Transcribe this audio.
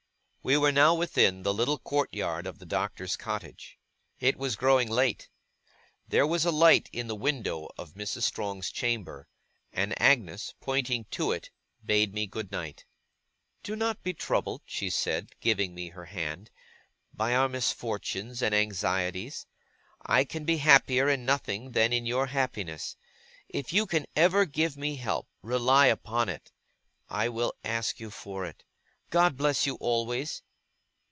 We were now within the little courtyard of the Doctor's cottage. It was growing late. There was a light in the window of Mrs. Strong's chamber, and Agnes, pointing to it, bade me good night. 'Do not be troubled,' she said, giving me her hand, 'by our misfortunes and anxieties. I can be happier in nothing than in your happiness. If you can ever give me help, rely upon it I will ask you for it. God bless you always!